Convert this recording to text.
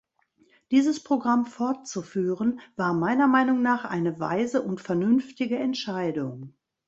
Dieses Programm fortzuführen war meiner Meinung nach eine weise und vernünftige Entscheidung.